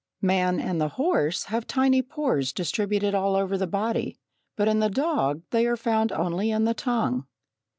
Man and the horse have tiny pores distributed all over the body, but in the dog they are found only in the tongue.